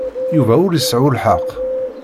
Yuba ur iseɛɛu lḥeqq.